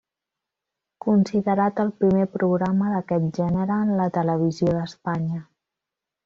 Considerat el primer programa d'aquest gènere en la televisió d'Espanya.